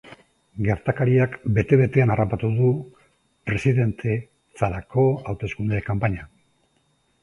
Gertakariak bete-betean harrapatu du presidentetzarako hauteskunde kanpaina.